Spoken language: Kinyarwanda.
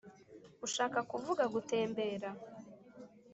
ushaka kuvuga, gutembera?